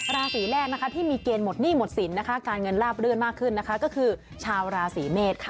ราศีแรกที่มีเกณฑ์หมดหนี้หมดสินการเงินลาบเลื่อนมากขึ้นก็คือชาวราศีเมฆค่ะ